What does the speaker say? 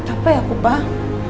apa ya aku pak